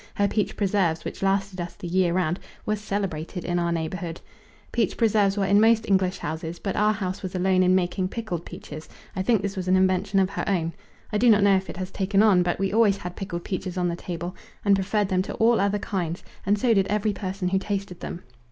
Her peach preserves, which lasted us the year round, were celebrated in our neighbourhood. Peach preserves were in most English houses, but our house was alone in making pickled peaches: I think this was an invention of her own; I do not know if it has taken on, but we always had pickled peaches on the table and preferred them to all other kinds, and so did every person who tasted them.